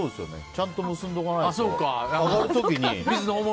ちゃんと結んでおかないと上がる時に。